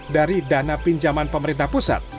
dari dana pinjaman pemerintah pusat